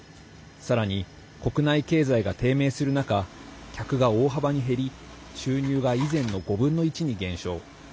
さらに、国内経済が低迷する中客が大幅に減り収入が以前の５分の１に減少。